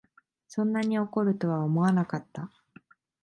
そんなに怒るとは思わなかった